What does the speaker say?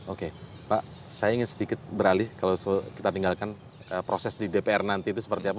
oke pak saya ingin sedikit beralih kalau kita tinggalkan proses di dpr nanti itu seperti apa